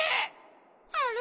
あれ？